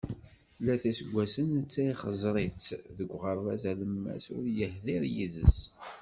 Tlata iseggasen netta ixeẓẓer-itt deg uɣerbaz alemmas, ur yehdir yid-s!